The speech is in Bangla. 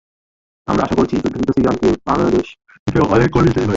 আমরা আশা করছি যুদ্ধবিধ্বস্ত ইরাকে বাংলাদেশ থেকে অনেক কর্মী যেতে পারবে।